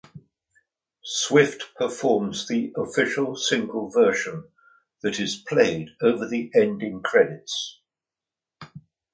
Swift performs the official single version that is played over the ending credits.